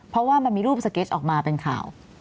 เพราะว่ามันมีรูปสเก็ตออกมาเป็นข่าว